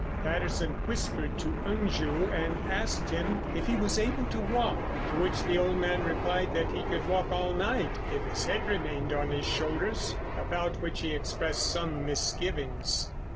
Patterson whispered to Unju and asked him if he was able to walk, to which the old man replied that he could walk all night if his head remained on his shoulders—about which he expressed some misgivings.